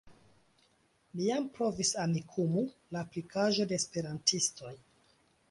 Mi jam provis Amikumu, la aplikaĵo de Esperantistoj.